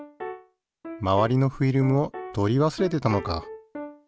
まわりのフィルムを取り忘れてたのか。